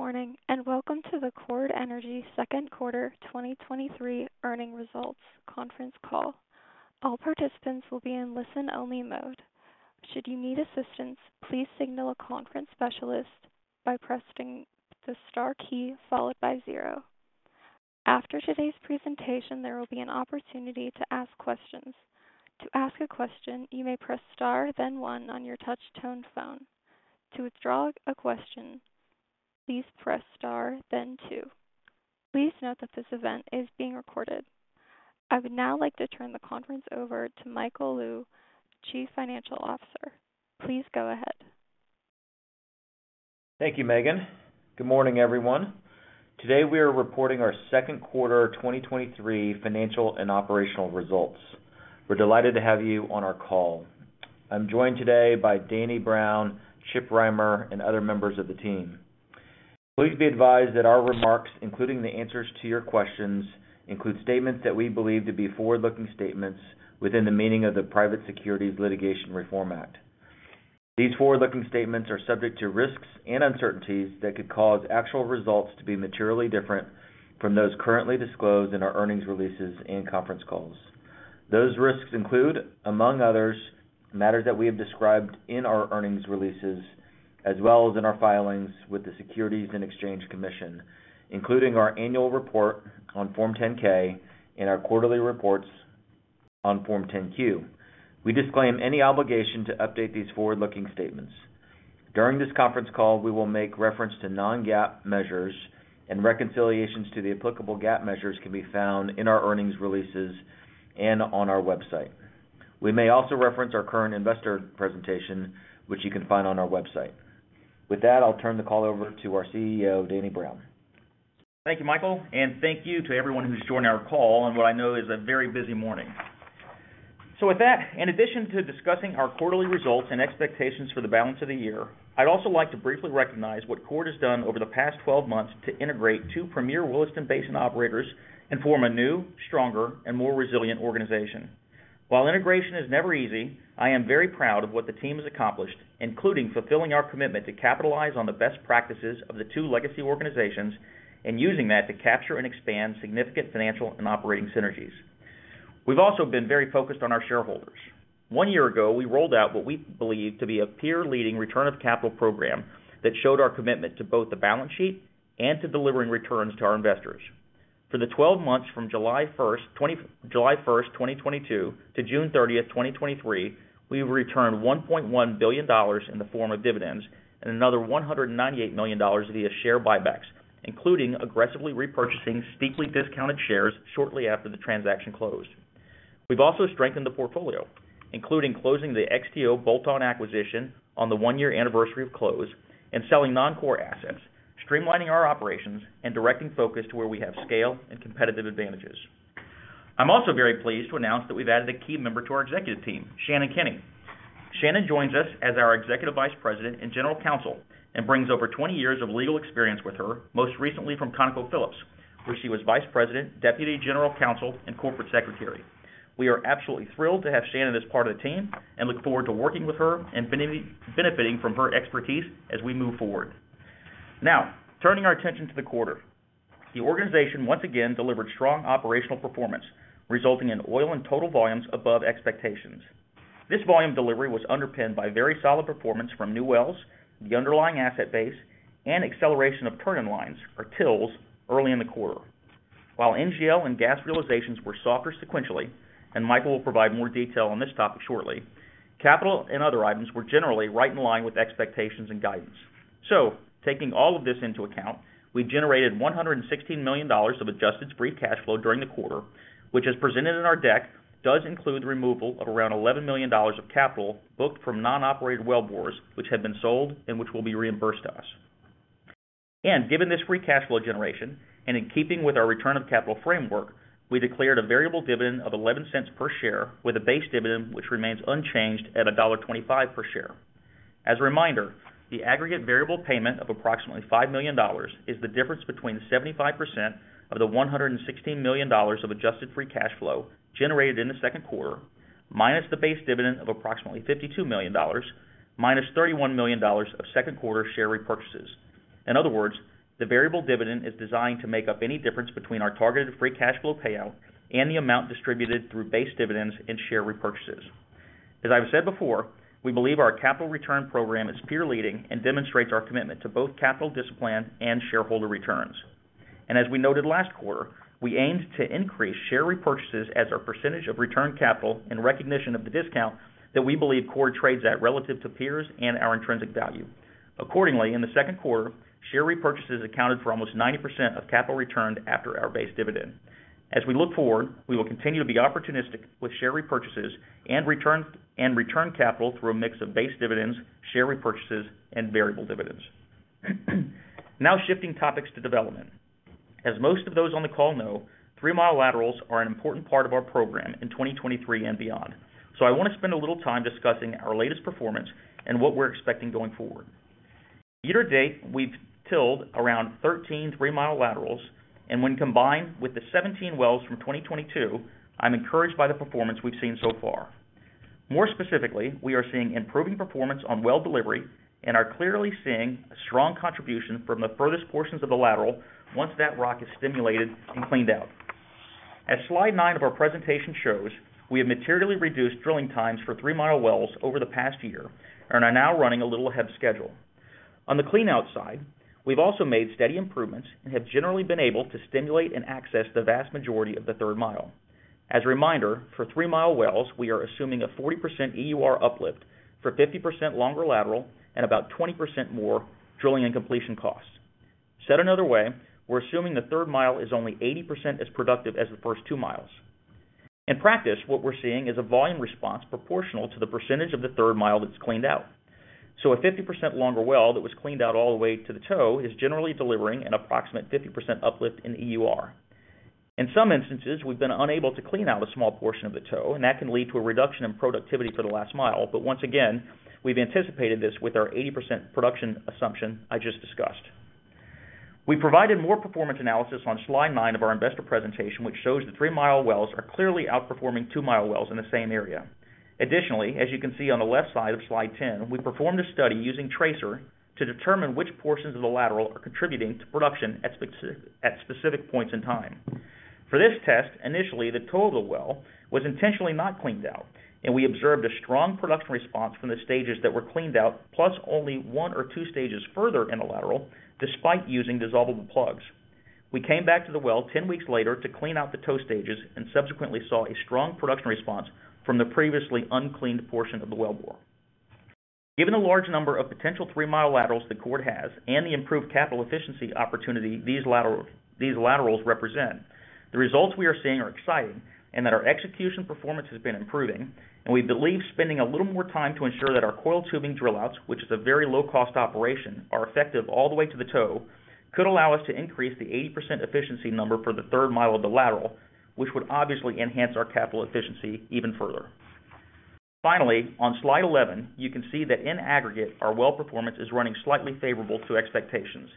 Good morning, and welcome to the Chord Energy Second Quarter 2023 Earnings Results Conference Call. All participants will be in listen-only mode. Should you need assistance, please signal a conference specialist by pressing the star key followed by zero. After today's presentation, there will be an opportunity to ask questions. To ask a question, you may press star, then one on your touch tone phone. To withdraw a question, please press star, then two. Please note that this event is being recorded. I would now like to turn the conference over to Michael Lou, Chief Financial Officer. Please go ahead. Thank you, Megan. Good morning, everyone. Today, we are reporting our second quarter 2023 financial and operational results. We're delighted to have you on our call. I'm joined today by Danny Brown, Chip Rimer, and other members of the team. Please be advised that our remarks, including the answers to your questions, include statements that we believe to be forward-looking statements within the meaning of the Private Securities Litigation Reform Act. These forward-looking statements are subject to risks and uncertainties that could cause actual results to be materially different from those currently disclosed in our earnings releases and conference calls. Those risks include, among others, matters that we have described in our earnings releases, as well as in our filings with the Securities and Exchange Commission, including our annual report on Form 10-K and our quarterly reports on Form 10-Q. We disclaim any obligation to update these forward-looking statements. During this conference call, we will make reference to non-GAAP measures, and reconciliations to the applicable GAAP measures can be found in our earnings releases and on our website. We may also reference our current investor presentation, which you can find on our website. With that, I'll turn the call over to our CEO, Danny Brown. Thank you, Michael, and thank you to everyone who's joined our call on what I know is a very busy morning. With that, in addition to discussing our quarterly results and expectations for the balance of the year, I'd also like to briefly recognize what Chord has done over the past 12 months to integrate two Premier Williston Basin operators and form a new, stronger, and more resilient organization. While integration is never easy, I am very proud of what the team has accomplished, including fulfilling our commitment to capitalize on the best practices of the two legacy organizations and using that to capture and expand significant financial and operating synergies. We've also been very focused on our shareholders. One year ago, we rolled out what we believe to be a peer-leading return of capital program that showed our commitment to both the balance sheet and to delivering returns to our investors. For the 12 months from July 1, 2022-June 30, 2023, we've returned $1.1 billion in the form of dividends and another $198 million via share buybacks, including aggressively repurchasing steeply discounted shares shortly after the transaction closed. We've also strengthened the portfolio, including closing the XTO bolt-on acquisition on the one-year anniversary of close and selling non-core assets, streamlining our operations, and directing focus to where we have scale and competitive advantages. I'm also very pleased to announce that we've added a key member to our executive team, Shannon Kinney. Shannon joins us as our Executive Vice President and General Counsel, and brings over 20 years of legal experience with her, most recently from ConocoPhillips, where she was Vice President, Deputy General Counsel, and Corporate Secretary. We are absolutely thrilled to have Shannon as part of the team and look forward to working with her and benefiting from her expertise as we move forward. Turning our attention to the quarter. The organization once again delivered strong operational performance, resulting in oil and total volumes above expectations. This volume delivery was underpinned by very solid performance from new wells, the underlying asset base, and acceleration of turn-in-lines, or TILs, early in the quarter. While NGL and gas realizations were softer sequentially, and Michael will provide more detail on this topic shortly, capital and other items were generally right in line with expectations and guidance. Taking all of this into account, we've generated $116 million of adjusted free cash flow during the quarter, which, as presented in our deck, does include the removal of around $11 million of capital booked from non-operated wellbores, which had been sold and which will be reimbursed to us. Given this free cash flow generation, and in keeping with our return of capital framework, we declared a variable dividend of $0.11 per share with a base dividend, which remains unchanged at $1.25 per share. As a reminder, the aggregate variable payment of approximately $5 million is the difference between the 75% of the $116 million of adjusted free cash flow generated in the second quarter, minus the base dividend of approximately $52 million, minus $31 million of second quarter share repurchases. In other words, the variable dividend is designed to make up any difference between our targeted free cash flow payout and the amount distributed through base dividends and share repurchases. As I've said before, we believe our capital return program is peer leading and demonstrates our commitment to both capital discipline and shareholder returns. As we noted last quarter, we aimed to increase share repurchases as our % of return capital in recognition of the discount that we believe Chord trades at relative to peers and our intrinsic value. Accordingly, in the second quarter, share repurchases accounted for almost 90% of capital returned after our base dividend. As we look forward, we will continue to be opportunistic with share repurchases and return capital through a mix of base dividends, share repurchases, and variable dividends. Now shifting topics to development. As most of those on the call know, 3-mi laterals are an important part of our program in 2023 and beyond. I want to spend a little time discussing our latest performance and what we're expecting going forward. Year to date, we've tilled around 13 mi-3 mi laterals, and when combined with the 17 wells from 2022, I'm encouraged by the performance we've seen so far. More specifically, we are seeing improving performance on well delivery and are clearly seeing a strong contribution from the furthest portions of the lateral once that rock is stimulated and cleaned out. As slide nine of our presentation shows, we have materially reduced drilling times for 3-mi wells over the past year and are now running a little ahead of schedule. On the cleanout side, we've also made steady improvements and have generally been able to stimulate and access the vast majority of the 3rd mi. As a reminder, for 3-mi wells, we are assuming a 40% EUR uplift for 50% longer lateral and about 20% more drilling and completion costs. Said another way, we're assuming the 3rd mi is only 80% as productive as the first 2 mi. In practice, what we're seeing is a volume response proportional to the percentage of the 3rd mi that's cleaned out. A 50% longer well that was cleaned out all the way to the toe, is generally delivering an approximate 50% uplift in EUR. In some instances, we've been unable to clean out a small portion of the toe, and that can lead to a reduction in productivity for the last mile. Once again, we've anticipated this with our 80% production assumption I just discussed. We provided more performance analysis on slide nine of our investor presentation, which shows the 3-mi wells are clearly outperforming 2-mi wells in the same area. Additionally, as you can see on the left side of slide 10, we performed a study using tracer to determine which portions of the lateral are contributing to production at specific points in time. For this test, initially, the toe of the well was intentionally not cleaned out, and we observed a strong production response from the stages that were cleaned out, plus only one or two stages further in the lateral, despite using dissolvable plugs. We came back to the well 10 weeks later to clean out the toe stages and subsequently saw a strong production response from the previously uncleaned portion of the wellbore. Given the large number of potential 3-mi laterals that Chord has and the improved capital efficiency opportunity these laterals represent, the results we are seeing are exciting and that our execution performance has been improving, and we believe spending a little more time to ensure that our coiled tubing drill outs, which is a very low-cost operation, are effective all the way to the toe, could allow us to increase the 80% efficiency number for the 3rd mi of the lateral, which would obviously enhance our capital efficiency even further. On slide 11, you can see that in aggregate, our well performance is running slightly favorable to expectations.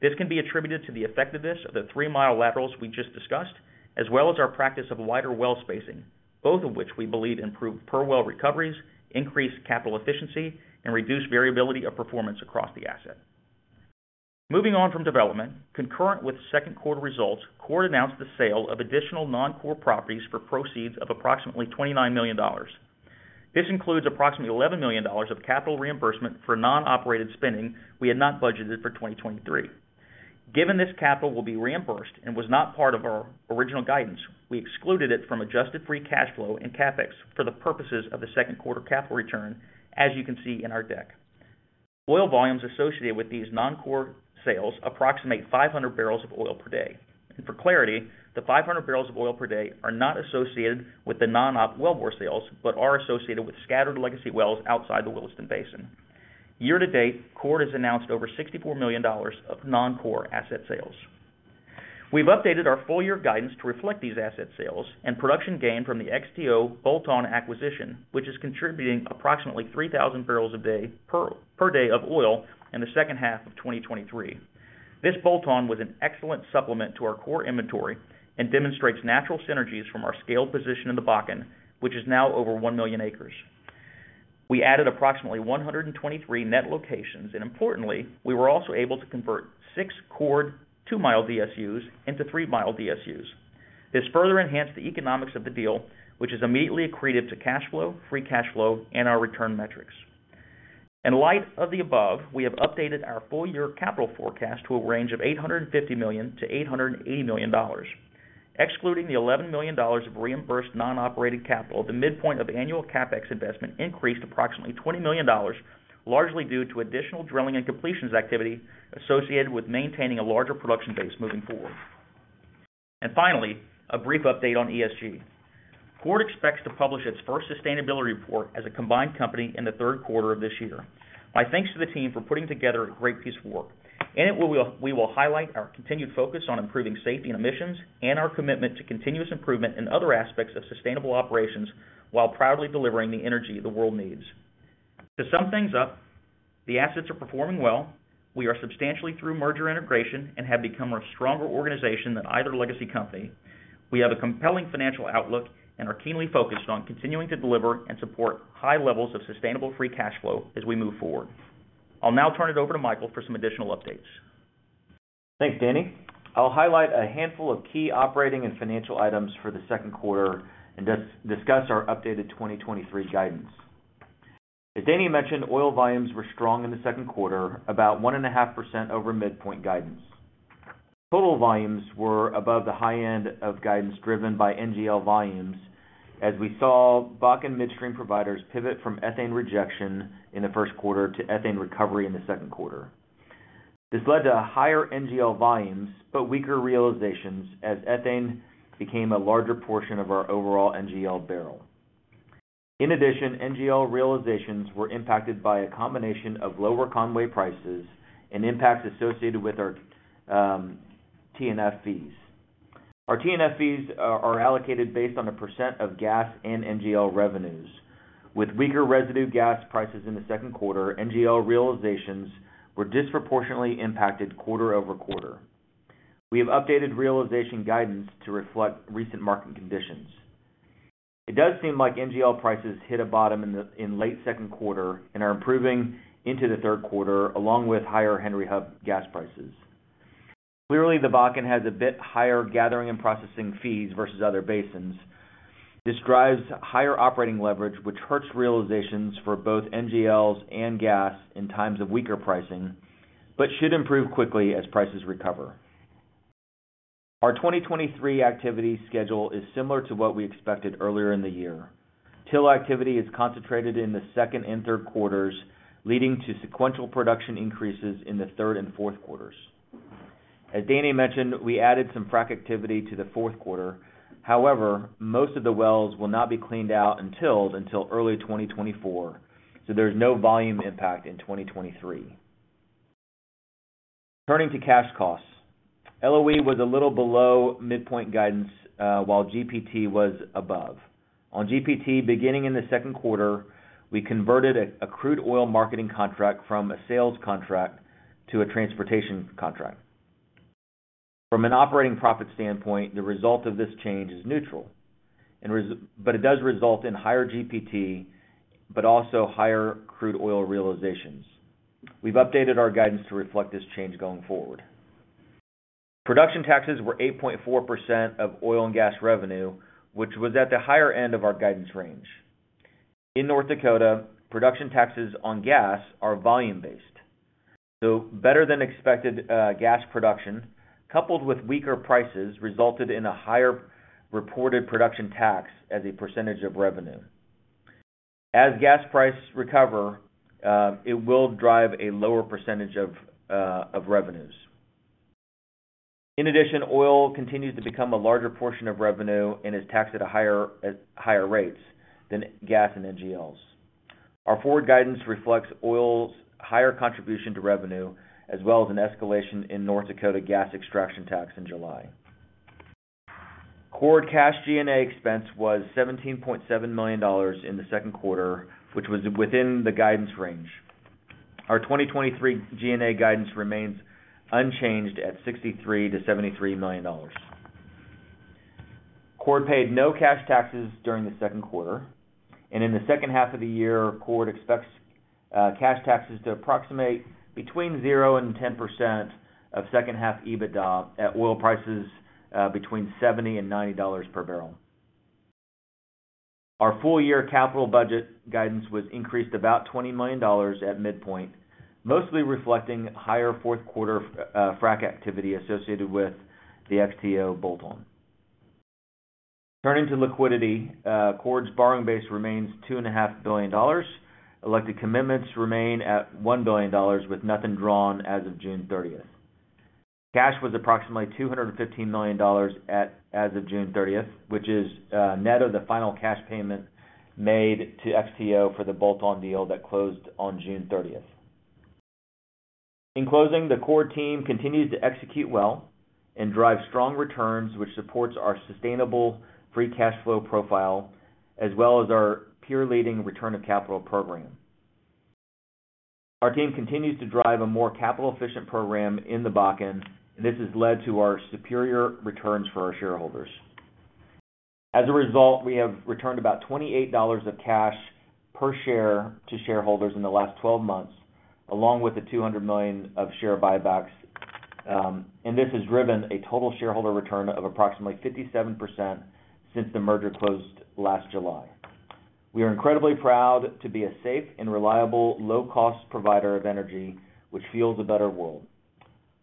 This can be attributed to the effectiveness of the 3-mi laterals we just discussed, as well as our practice of wider well spacing, both of which we believe improve per well recoveries, increase capital efficiency, and reduce variability of performance across the asset. Moving on from development, concurrent with second quarter results, Chord announced the sale of additional non-core properties for proceeds of approximately $29 million. This includes approximately $11 million of capital reimbursement for non-operated spending we had not budgeted for 2023. Given this capital will be reimbursed and was not part of our original guidance, we excluded it from adjusted free cash flow and CapEx for the purposes of the second quarter capital return, as you can see in our deck. Oil volumes associated with these non-core sales approximate 500 bbl of oil per day. For clarity, the 500 bbl of oil per day are not associated with the non-op wellbore sales, but are associated with scattered legacy wells outside the Williston Basin. Year to date, Chord has announced over $64 million of non-core asset sales. We've updated our full year guidance to reflect these asset sales and production gain from the XTO bolt-on acquisition, which is contributing approximately 3,000 bbl per day of oil in the second half of 2023. This bolt-on was an excellent supplement to our core inventory and demonstrates natural synergies from our scaled position in the Bakken, which is now over 1 million acres. We added approximately 123 net locations, and importantly, we were also able to convert 6 Chord, 2-mi DSUs into 3-mi DSUs. This further enhanced the economics of the deal, which is immediately accretive to cash flow, free cash flow, and our return metrics. In light of the above, we have updated our full year capital forecast to a range of $850 million-$880 million. Excluding the $11 million of reimbursed non-operated capital, the midpoint of annual CapEx investment increased approximately $20 million, largely due to additional drilling and completions activity associated with maintaining a larger production base moving forward. Finally, a brief update on ESG. Chord expects to publish its first sustainability report as a combined company in the third quarter of this year. My thanks to the team for putting together a great piece of work. In it, we will highlight our continued focus on improving safety and emissions, and our commitment to continuous improvement in other aspects of sustainable operations, while proudly delivering the energy the world needs. To sum things up, the assets are performing well. We are substantially through merger integration and have become a stronger organization than either legacy company. We have a compelling financial outlook and are keenly focused on continuing to deliver and support high levels of sustainable free cash flow as we move forward. I'll now turn it over to Michael for some additional updates. Thanks, Danny. I'll highlight a handful of key operating and financial items for the second quarter and discuss our updated 2023 guidance. As Danny mentioned, oil volumes were strong in the second quarter, about 1.5% over midpoint guidance. Total volumes were above the high end of guidance driven by NGL volumes, as we saw Bakken midstream providers pivot from ethane rejection in the first quarter to ethane recovery in the second quarter. This led to higher NGL volumes, but weaker realizations as ethane became a larger portion of our overall NGL barrel. In addition, NGL realizations were impacted by a combination of lower Conway prices and impacts associated with our T&F fees. Our T&F fees are allocated based on a percent of gas and NGL revenues. With weaker residue gas prices in the second quarter, NGL realizations were disproportionately impacted quarter-over-quarter. We have updated realization guidance to reflect recent market conditions. It does seem like NGL prices hit a bottom in late 2Q and are improving into the 3Q, along with higher Henry Hub gas prices. Clearly, the Bakken has a bit higher gathering and processing fees versus other basins. This drives higher operating leverage, which hurts realizations for both NGLs and gas in times of weaker pricing, but should improve quickly as prices recover. Our 2023 activity schedule is similar to what we expected earlier in the year. TILs activity is concentrated in the 2Q and 3Q, leading to sequential production increases in the 3Q and 4Q. As Danny mentioned, we added some frac activity to the 4Q. However, most of the wells will not be cleaned out until early 2024, so there's no volume impact in 2023. Turning to cash costs. LOE was a little below midpoint guidance, while GPT was above. On GPT, beginning in the second quarter, we converted a crude oil marketing contract from a sales contract to a transportation contract. From an operating profit standpoint, the result of this change is neutral, but it does result in higher GPT, but also higher crude oil realizations. We've updated our guidance to reflect this change going forward. Production taxes were 8.4% of oil and gas revenue, which was at the higher end of our guidance range. In North Dakota, production taxes on gas are volume-based, so better than expected gas production, coupled with weaker prices, resulted in a higher reported production tax as a percentage of revenue. As gas prices recover, it will drive a lower percentage of revenues. In addition, oil continues to become a larger portion of revenue and is taxed at a higher, at higher rates than gas and NGLs. Our forward guidance reflects oil's higher contribution to revenue, as well as an escalation in North Dakota gas extraction tax in July. Chord cash G&A expense was $17.7 million in the second quarter, which was within the guidance range. Our 2023 G&A guidance remains unchanged at $63 million-$73 million. Chord paid no cash taxes during the second quarter, and in the second half of the year, Chord expects cash taxes to approximate between 0% and 10% of second half EBITDA at oil prices between $70 and $90 per barrel. Our full-year capital budget guidance was increased about $20 million at midpoint, mostly reflecting higher fourth quarter frac activity associated with the FTO bolt-on. Turning to liquidity, Chord's borrowing base remains $2.5 billion. Elected commitments remain at $1 billion, with nothing drawn as of June 30th. Cash was approximately $215 million as of June 30th, which is net of the final cash payment made to FTO for the bolt-on deal that closed on June 30th. In closing, the Chord team continues to execute well and drive strong returns, which supports our sustainable free cash flow profile, as well as our peer-leading return of capital program. Our team continues to drive a more capital-efficient program in the Bakken. This has led to our superior returns for our shareholders. As a result, we have returned about $28 of cash per share to shareholders in the last 12 months, along with the $200 million of share buybacks, this has driven a total shareholder return of approximately 57% since the merger closed last July. We are incredibly proud to be a safe and reliable, low-cost provider of energy, which fuels a better world.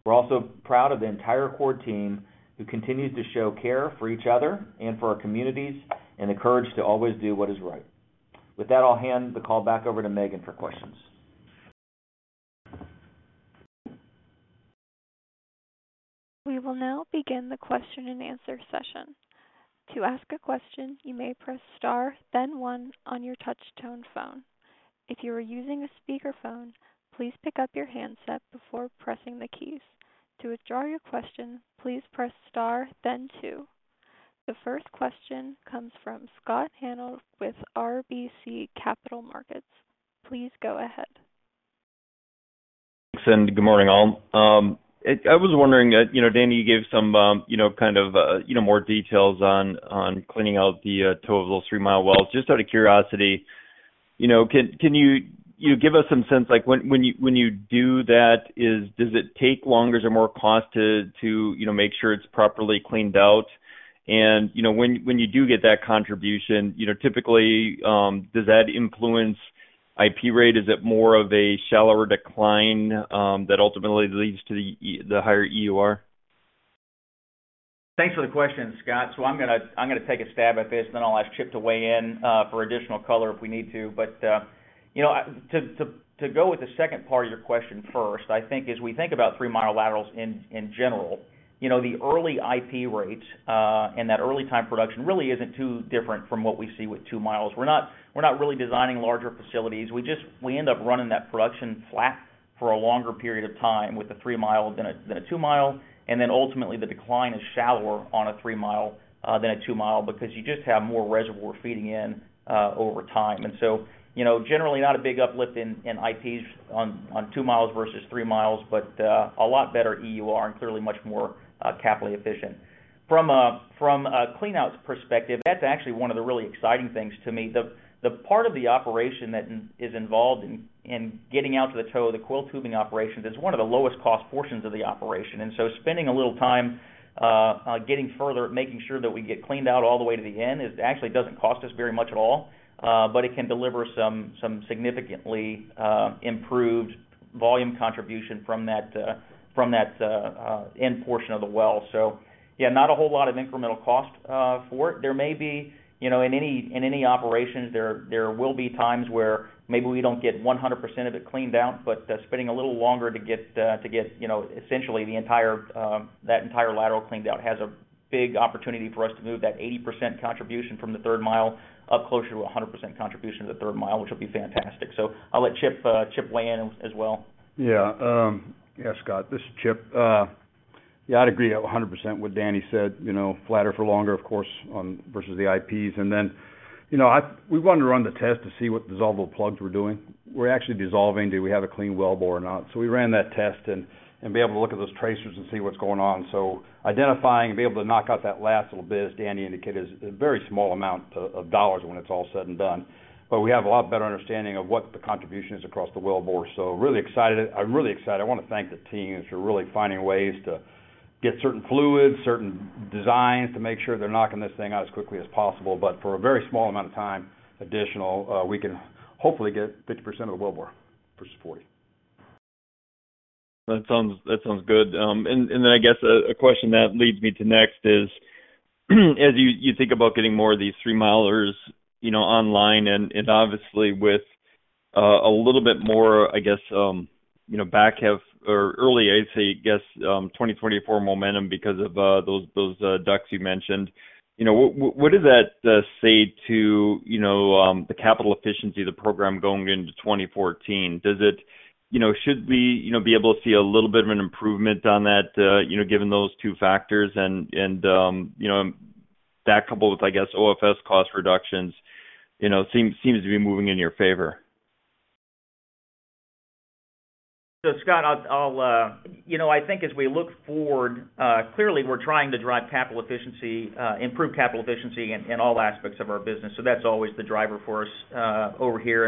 We're also proud of the entire Chord team, who continues to show care for each other and for our communities, and the courage to always do what is right. With that, I'll hand the call back over to Megan for questions. We will now begin the question-and-answer session. To ask a question, you may press star one on your touch tone phone. If you are using a speakerphone, please pick up your handset before pressing the keys. To withdraw your question, please press star two. The first question comes from Scott Hanold with RBC Capital Markets. Please go ahead. Thanks. Good morning, all. I, I was wondering, you know, Danny, you gave some, you know, kind of, you know, more details on, on cleaning out the total of those 3-mi wells. Just out of curiosity, you know, can, can you, you give us some sense, like, when, when you, when you do that, does it take longer or more cost to, to, you know, make sure it's properly cleaned out? You know, when, when you do get that contribution, you know, typically, does that influence IP rate? Is it more of a shallower decline that ultimately leads to the higher EUR? Thanks for the question, Scott. I'm gonna, I'm gonna take a stab at this, then I'll ask Chip to weigh in for additional color if we need to. You know, to, to, to go with the second part of your question first, I think as we think about 3-mi laterals in, in general, you know, the early IP rates, and that early time production, really isn't too different from what we see with 2 mi. We're not, we're not really designing larger facilities. We just, we end up running that production flat for a longer period of time with a 3-mi than a, than a 2-mi, and then ultimately, the decline is shallower on a 3-mi than a 2-mi, because you just have more reservoir feeding in over time. You know, generally, not a big uplift in, in IPs on. On 2 mi versus 3 mi, but a lot better EUR, and clearly much more capitally efficient. From a, from a clean-out's perspective, that's actually one of the really exciting things to me. The part of the operation that is involved in, in getting out to the toe of the coiled tubing operations is one of the lowest cost portions of the operation. Spending a little time getting further, making sure that we get cleaned out all the way to the end, it actually doesn't cost us very much at all, but it can deliver some, some significantly improved volume contribution from that, from that, end portion of the well. Yeah, not a whole lot of incremental cost for it. There may be, you know, in any, in any operation, there, there will be times where maybe we don't get 100% of it cleaned out, but, spending a little longer to get, to get, you know, essentially the entire, that entire lateral cleaned out, has a big opportunity for us to move that 80% contribution from the 3rd mi up closer to 100% contribution to the 3rd mi, which will be fantastic. I'll let Chip, Chip weigh in as well. Scott Hanold, this is Chip Rimer. I'd agree 100% what Danny Brown said, you know, flatter for longer, of course, on versus the IPs. You know, I, we wanted to run the test to see what dissolvable plugs were doing. We're actually dissolving, do we have a clean wellbore or not? We ran that test and, and be able to look at those tracers and see what's going on. Identifying and be able to knock out that last little bit, as Danny Brown indicated, is a very small amount of, of dollars when it's all said and done. We have a lot better understanding of what the contribution is across the wellbore. Really excited. I'm really excited. I want to thank the team for really finding ways to get certain fluids, certain designs, to make sure they're knocking this thing out as quickly as possible. For a very small amount of time, additional, we can hopefully get 50% of the wellbore versus 40%. That sounds, that sounds good. Then I guess, a question that leads me to next is, as you think about getting more of these 3-mi, you know, online and obviously with, you know, back half or early 2024 momentum because of, those, those DUCs you mentioned. You know, what, what, what does that say to, you know, the capital efficiency of the program going into 2014? Does it, you know, should we, you know, be able to see a little bit of an improvement on that, you know, given those two factors and, and, you know, that coupled with, I guess, OFS cost reductions, you know, seem, seems to be moving in your favor? Scott, I'll, I'll, you know, I think as we look forward, clearly, we're trying to drive capital efficiency, improve capital efficiency in, in all aspects of our business. That's always the driver for us over here.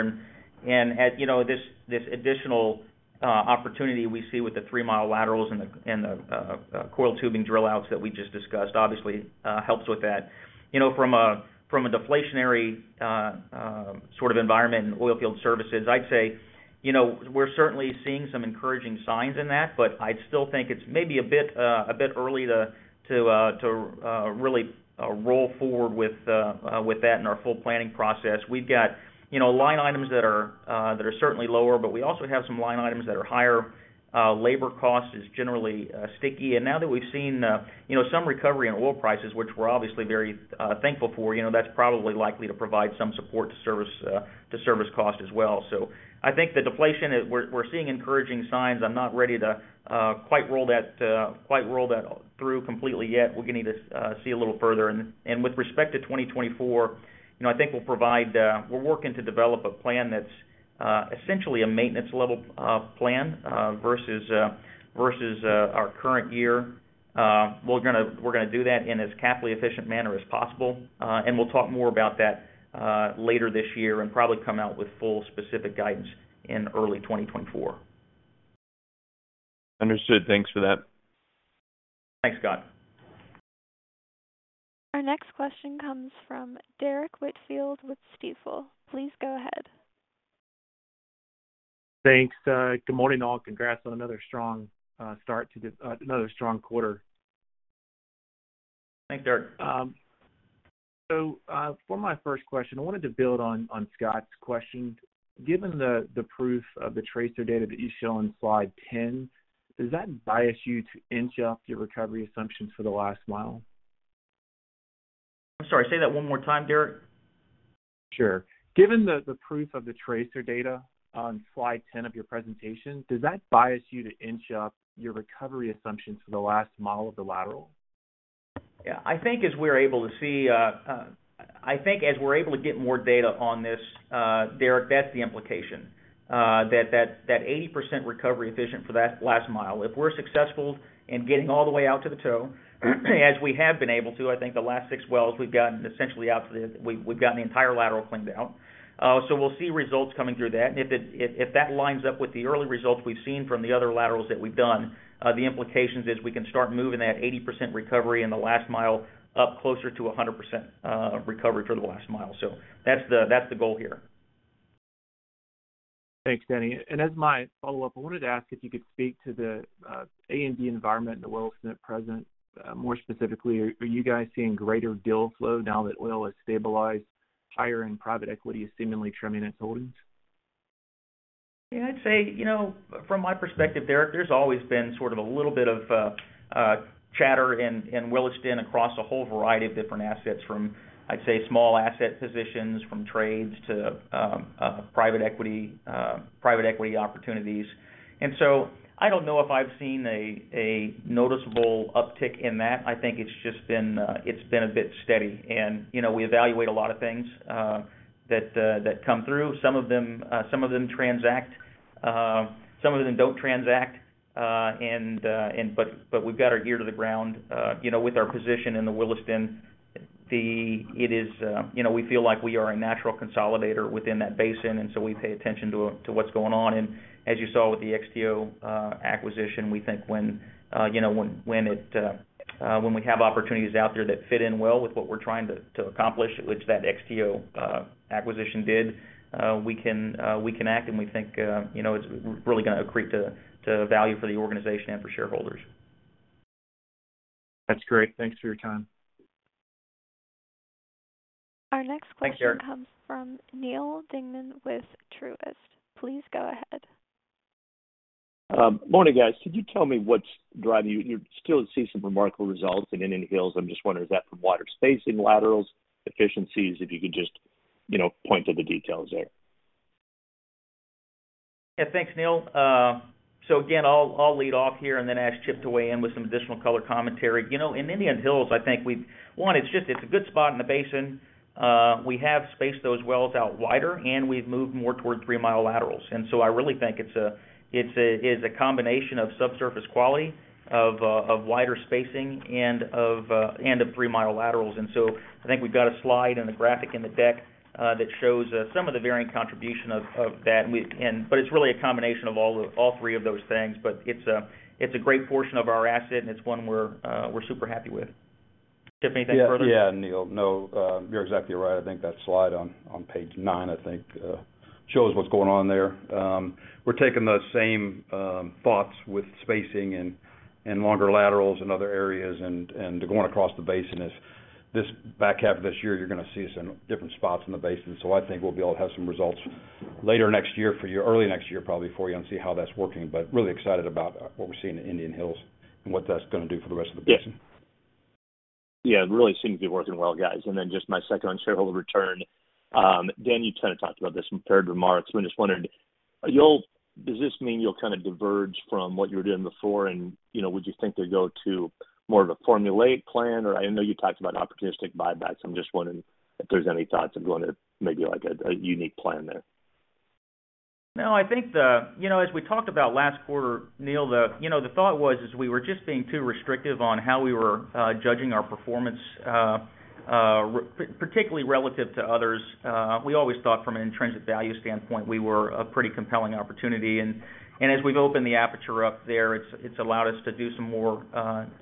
As you know, this, this additional opportunity we see with the 3-mi laterals and the, and the coiled tubing drill outs that we just discussed, obviously, helps with that. You know, from a, from a deflationary sort of environment in oil field services, I'd say, you know, we're certainly seeing some encouraging signs in that, but I still think it's maybe a bit, a bit early to, to, to, really, roll forward with that in our full planning process. We've got, you know, line items that are, that are certainly lower, but we also have some line items that are higher. Labor cost is generally, sticky. Now that we've seen, you know, some recovery in oil prices, which we're obviously very, thankful for, you know, that's probably likely to provide some support to service, to service costs as well. I think the deflation, we're, we're seeing encouraging signs. I'm not ready to, quite roll that, quite roll that through completely yet. We're gonna need to, see a little further. With respect to 2024, you know, I think we'll provide, we're working to develop a plan that's, essentially a maintenance level, plan, versus, versus, our current year. We're gonna do that in as capitally efficient manner as possible. We'll talk more about that later this year and probably come out with full specific guidance in early 2024. Understood. Thanks for that. Thanks, Scott. Our next question comes from Derrick Whitfield with Stifel. Please go ahead. Thanks. Good morning, all. Congrats on another strong another strong quarter. Thanks, Derrick. For my first question, I wanted to build on, on Scott's question. Given the, the proof of the tracer data that you show on slide 10, does that bias you to inch up your recovery assumptions for the last mile? I'm sorry, say that one more time, Derrick. Sure. Given the proof of the tracer data on slide 10 of your presentation, does that bias you to inch up your recovery assumptions for the last mile of the lateral? Yeah. I think as we're able to see, I think as we're able to get more data on this, Derrick, that's the implication. That, that, that 80% recovery efficient for that last mile. If we're successful in getting all the way out to the toe, as we have been able to, I think the last six wells, we've gotten the entire lateral cleaned out. We'll see results coming through that. If that lines up with the early results we've seen from the other laterals that we've done, the implications is we can start moving that 80% recovery in the last mile up closer to 100% recovery for the last mile. That's the, that's the goal here. Thanks, Danny. As my follow-up, I wanted to ask if you could speak to the A&D environment in the well at present. More specifically, are you guys seeing greater deal flow now that oil has stabilized higher and private equity is seemingly trimming its holdings? Yeah, I'd say, you know, from my perspective, Derrick, there's always been sort of a little bit of chatter in, in Williston across a whole variety of different assets from, I'd say, small asset positions, from trades to private equity opportunities. So I don't know if I've seen a noticeable uptick in that. I think it's just been it's been a bit steady. You know, we evaluate a lot of things that come through. Some of them transact, some of them don't transact. But we've got our ear to the ground, you know, with our position in the Williston, it is, you know, we feel like we are a natural consolidator within that basin. So we pay attention to what's going on. As you saw with the XTO acquisition, we think when, you know, when, when it, when we have opportunities out there that fit in well with what we're trying to accomplish, which that XTO acquisition did, we can, we can act, and we think, you know, it's really gonna accrete to value for the organization and for shareholders. That's great. Thanks for your time. Our next question. comes from Neal Dingmann with Truist. Please go ahead. Morning, guys. Could you tell me what's driving you? You still see some remarkable results in Indian Hills. I'm just wondering, is that from water spacing, laterals, efficiencies? If you could just, you know, point to the details there. Yeah, thanks, Neal. So again, I'll, I'll lead off here and then ask Chip to weigh in with some additional color commentary. You know, in Indian Hills, I think we've one, it's just, it's a good spot in the basin. We have spaced those wells out wider, and we've moved more toward 3-mi laterals. So, I really think it's a, it's a, it's a combination of subsurface quality, of wider spacing and of and of three-mile laterals. So, I think we've got a slide and a graphic in the deck, that shows, some of the varying contribution of, of that. But it's really a combination of all the, all three of those things. It's a, it's a great portion of our asset, and it's one we're, we're super happy with. Chip, anything further? Yeah, yeah, Neal. No, you're exactly right. I think that slide on page nine, I think, shows what's going on there. We're taking those same thoughts with spacing and longer laterals in other areas and going across the Basin. This back half of this year, you're gonna see us in different spots in the Basin, so I think we'll be able to have some results later next year for you, early next year, probably for you, and see how that's working. But really excited about what we're seeing in Indian Hills and what that's gonna do for the rest of the Basin. Yes. Yeah, it really seems to be working well, guys. Then just my second on shareholder return. Danny, you kind of talked about this in prepared remarks, but I just wondered, does this mean you'll kind of diverge from what you were doing before? Or I know you talked about opportunistic buybacks. I'm just wondering if there's any thoughts of going to maybe, like, a, a unique plan there? No, I think, you know, as we talked about last quarter, Neal, the, you know, the thought was, is we were just being too restrictive on how we were judging our performance, particularly relative to others. We always thought from an intrinsic value standpoint, we were a pretty compelling opportunity. As we've opened the aperture up there, it's allowed us to do some more,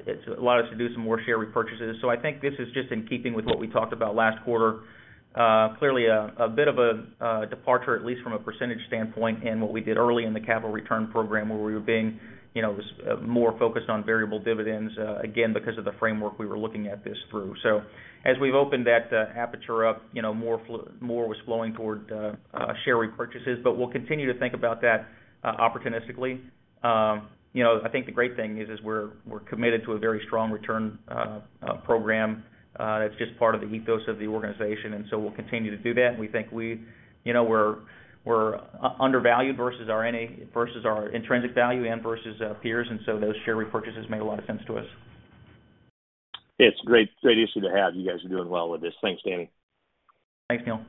it's allowed us to do some more share repurchases. I think this is just in keeping with what we talked about last quarter. Clearly a bit of a departure, at least from a percentage standpoint, in what we did early in the capital return program, where we were being, you know, more focused on variable dividends, again, because of the framework we were looking at this through. As we've opened that, aperture up, you know, more, more was flowing toward, share repurchases, but we'll continue to think about that, opportunistically. You know, I think the great thing is, is we're, we're committed to a very strong return, program. It's just part of the ethos of the organization, and so we'll continue to do that. We think we, you know, we're, we're undervalued versus our NAV, versus our intrinsic value and versus, peers, and so those share repurchases make a lot of sense to us. It's a great, great issue to have. You guys are doing well with this. Thanks, Danny. Thanks, Neal.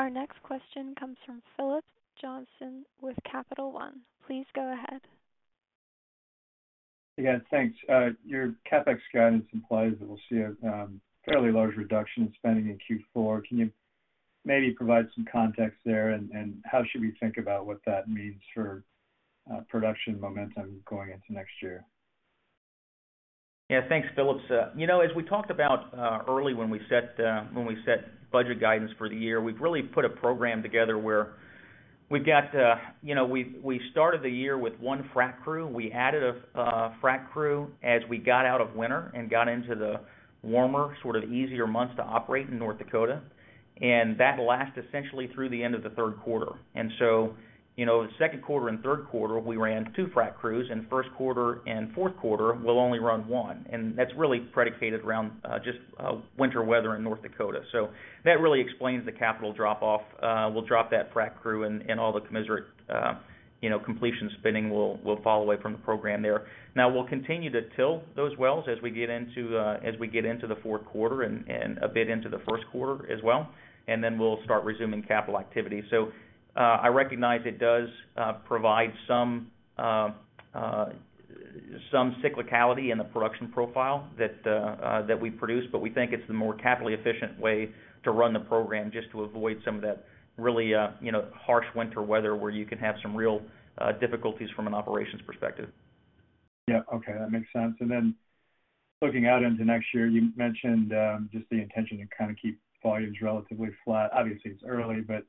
Our next question comes from Philip Johnson with Capital One. Please go ahead. Yeah, thanks. Your CapEx guidance implies that we'll see a fairly large reduction in spending in Q4. Can you maybe provide some context there? How should we think about what that means for production momentum going into next year? Yeah. Thanks, Philip. You know, as we talked about, early when we set, when we set budget guidance for the year, we've really put a program together where we've got, you know, we started the year with one frac crew. We added a, a frac crew as we got out of winter and got into the warmer, sort of easier months to operate in North Dakota, and that lasted essentially through the end of the third quarter. You know, the second quarter and third quarter, we ran two frac crews, and first quarter and fourth quarter, we'll only run one, and that's really predicated around, just, winter weather in North Dakota. That really explains the capital drop-off. We'll drop that frac crew and, and all the commiserate, you know, completion spinning will, will fall away from the program there. Now, we'll continue to tilt those wells as we get into, as we get into the fourth quarter and, and a bit into the first quarter as well, and then we'll start resuming capital activity. I recognize it does provide some, some cyclicality in the production profile that that we produce, but we think it's the more capitally efficient way to run the program, just to avoid some of that really, you know, harsh winter weather, where you can have some real difficulties from an operations perspective. Yeah. Okay, that makes sense. Then looking out into next year, you mentioned just the intention to kind of keep volumes relatively flat. Obviously, it's early, but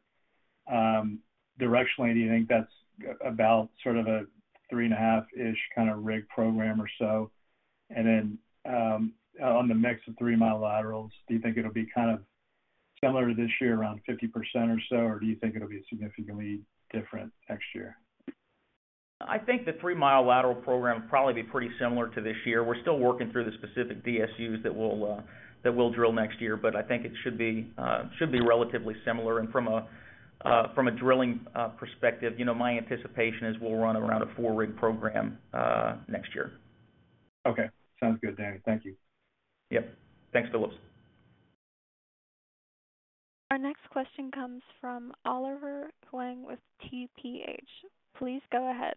directionally, do you think that's about sort of a 3.5-ish kind of rig program or so? Then on the mix of 3-mi laterals, do you think it'll be kind of similar to this year, around 50% or so, or do you think it'll be significantly different next year? I think the 3-mi lateral program will probably be pretty similar to this year. We're still working through the specific DSUs that we'll that we'll drill next year, but I think it should be, should be relatively similar. From a from a drilling perspective, you know, my anticipation is we'll run around a four-rig program next year. Okay. Sounds good, Danny. Thank you. Yep. Thanks, Philip. Our next question comes from Oliver Huang with TPH. Please go ahead.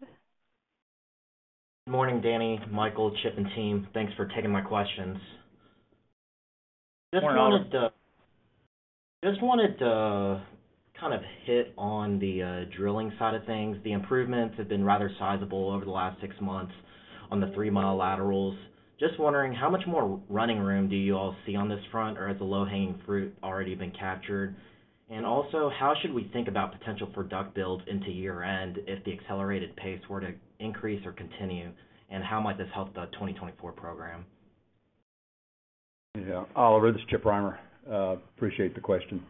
Good morning, Danny, Michael, Chip, and team. Thanks for taking my questions. Just wanted to kind of hit on the drilling side of things. The improvements have been rather sizable over the last six months on the 3-mi laterals. Just wondering, how much more running room do you all see on this front, or has the low-hanging fruit already been captured? Also, how should we think about potential for DUC builds into year-end if the accelerated pace were to increase or continue, and how might this help the 2024 program? Yeah. Oliver, this is Chip Rimer. Appreciate the question.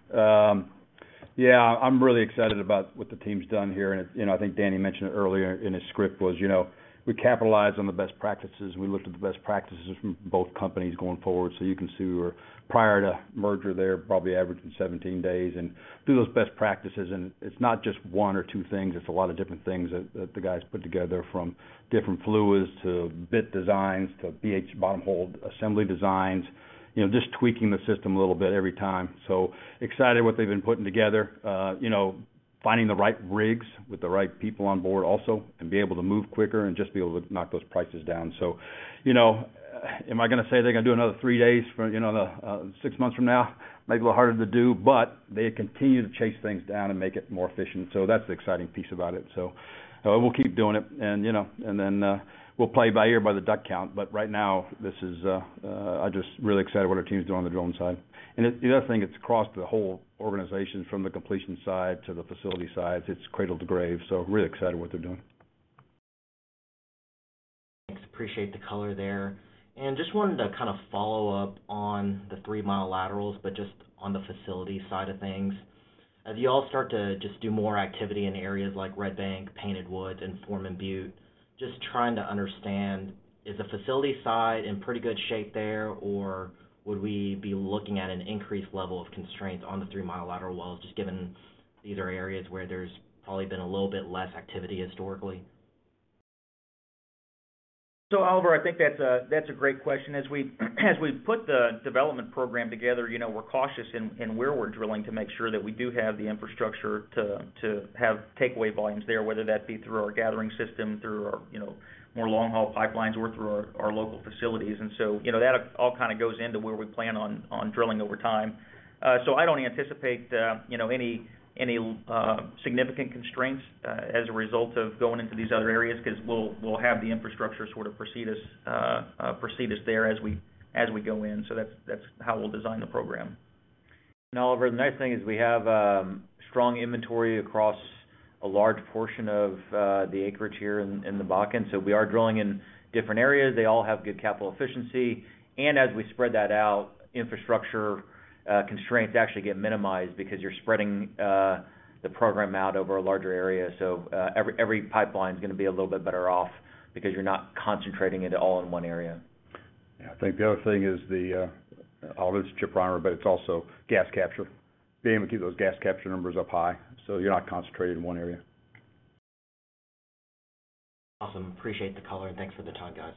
Yeah, I'm really excited about what the team's done here, and, you know, I think Danny mentioned it earlier in his script, was, you know, we capitalize on the best practices. We looked at the best practices from both companies going forward. You can see we're, prior to merger there, probably averaging 17 days, and through those best practices, and it's not just one or two things, it's a lot of different things that, that the guys put together, from different fluids to bit designs, to BHA bottomhole assembly designs. You know, just tweaking the system a little bit every time. Excited what they've been putting together. You know, finding the right rigs with the right people on board also, and being able to move quicker and just be able to knock those prices down. You know, am I gonna say they're gonna do another three days from, you know, the six months from now? Maybe a little harder to do, but they continue to chase things down and make it more efficient. That's the exciting piece about it. We'll keep doing it and, you know, and then we'll play by ear by the duck count. Right now, this is, I'm just really excited what our team's doing on the drilling side. The other thing, it's across the whole organization, from the completion side to the facility sides. It's cradle to grave, really excited what they're doing. Thanks. Appreciate the color there. Just wanted to kind of follow up on the 3-mi laterals, but just on the facility side of things. As you all start to just do more activity in areas like Red Bank, Painted Woods, and Foreman Butte, just trying to understand, is the facility side in pretty good shape there, or would we be looking at an increased level of constraints on the 3-mi lateral wells, just given these are areas where there's probably been a little bit less activity historically? Oliver, I think that's a, that's a great question. As we, as we've put the development program together, you know, we're cautious in, in where we're drilling to make sure that we do have the infrastructure to, to have takeaway volumes there, whether that be through our gathering system, through our, you know, more long-haul pipelines, or through our, our local facilities. You know that all kind of goes into where we plan on, on drilling over time. I don't anticipate, you know, any, any significant constraints as a result of going into these other areas, cause we'll, we'll have the infrastructure sort of precede us, precede us there as we, as we go in. That's, that's how we'll design the program. Oliver, the nice thing is we have strong inventory across a large portion of the acreage here in the Bakken, so we are drilling in different areas. They all have good capital efficiency, and as we spread that out, infrastructure constraints actually get minimized because you're spreading the program out over a larger area. Every every pipeline's gonna be a little bit better off because you're not concentrating it all in one area. Yeah, I think the other thing is the, Oliver, it's Chip Rimer, but it's also gas capture. Being able to keep those gas capture numbers up high, so you're not concentrated in one area. Awesome. Appreciate the color, and thanks for the time, guys.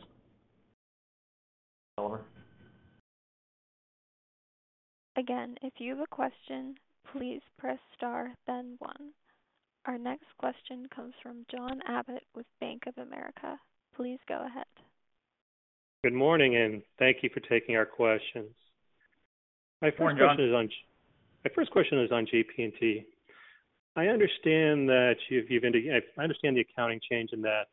Oliver? Again, if you have a question, please press star, then one. Our next question comes from John Abbott with Bank of America. Please go ahead. Good morning, and thank you for taking our questions. Morning, John. My first question is on GP&T. I understand that you've indicated I understand the accounting change and that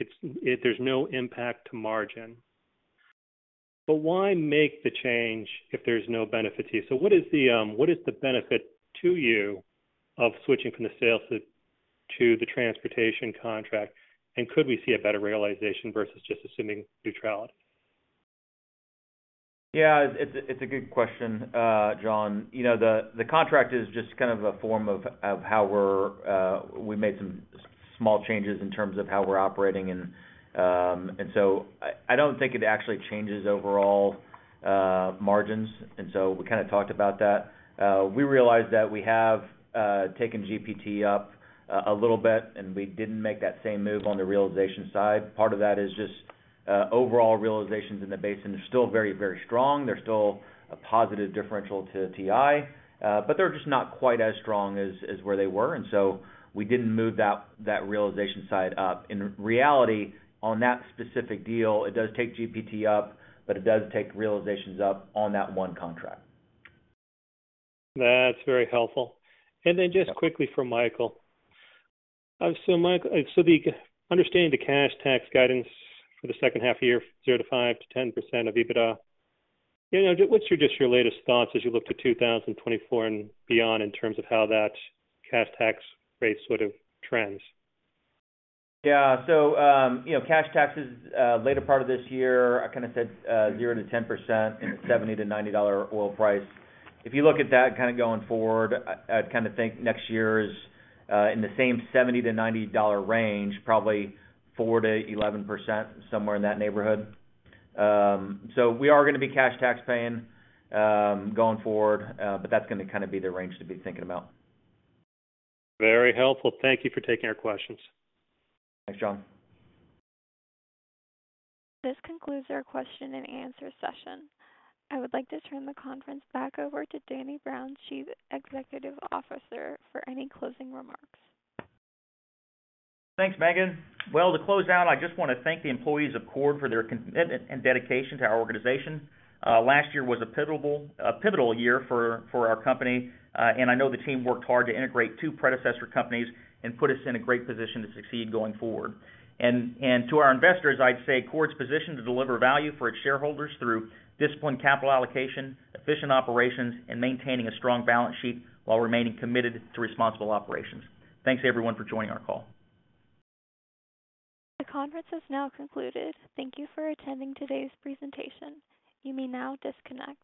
it, there's no impact to margin. Why make the change if there's no benefit to you? What is the benefit to you of switching from the sales to the transportation contract? Could we see a better realization versus just assuming neutrality? Yeah, it's a, it's a good question, John. You know, the, the contract is just kind of a form of, of how we're, we made some small changes in terms of how we're operating. So I, I don't think it actually changes overall margins, and so we kind of talked about that. We realized that we have taken GPT up a little bit, and we didn't make that same move on the realization side. Part of that is just overall realizations in the basin are still very, very strong. They're still a positive differential to WTI, but they're just not quite as strong as, as where they were, and so we didn't move that, that realization side up. In reality, on that specific deal, it does take GPT up, but it does take realizations up on that one contract. That's very helpful. Then just quickly for Michael. So, Mike, understanding the cash tax guidance for the second half of the year, 0%-5%-10% of EBITDA, you know, just what's your, just your latest thoughts as you look to 2024 and beyond in terms of how that cash tax rate sort of trends? Yeah. You know, cash taxes, later part of this year, I kind of said 0%-10% in the $70-$90 oil price. If you look at that kind of going forward, I, I'd kind of think next year is in the same $70-$90 range, probably 4%-11%, somewhere in that neighborhood. We are gonna be cash tax paying going forward, but that's gonna kind of be the range to be thinking about. Very helpful. Thank you for taking our questions. Thanks, John. This concludes our question-and-answer session. I would like to turn the conference back over to Danny Brown, Chief Executive Officer, for any closing remarks. Thanks, Megan. Well, to close out, I just want to thank the employees of Chord Energy for their commitment and dedication to our organization. Last year was a pivotal, a pivotal year for our company, and I know the team worked hard to integrate two predecessor companies and put us in a great position to succeed going forward. To our investors, I'd say Chord Energy's positioned to deliver value for its shareholders through disciplined capital allocation, efficient operations, and maintaining a strong balance sheet while remaining committed to responsible operations. Thanks, everyone, for joining our call. The conference has now concluded. Thank you for attending today's presentation. You may now disconnect.